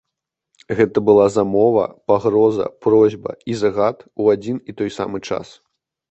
Гэта была замова, пагроза, просьба і загад у адзін і той самы час.